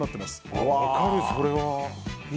分かる、それは。